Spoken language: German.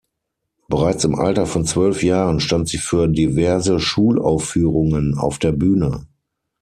Bereits im Alter von zwölf Jahren stand sie für diverse Schulaufführungen auf der Bühne.